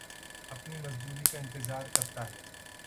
اپنی مزدوری کا انتظار کرتا ہے